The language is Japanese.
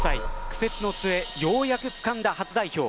苦節の末ようやくつかんだ初代表。